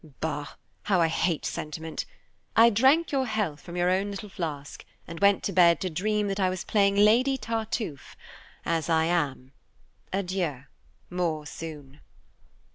Bah! how I hate sentiment! I drank your health from your own little flask, and went to bed to dream that I was playing Lady Tartuffe as I am. Adieu, more soon."